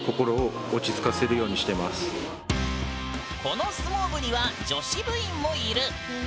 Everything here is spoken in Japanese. この相撲部には女子部員もいる。